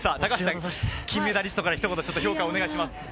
金メダリストからひと言、評価をお願いします。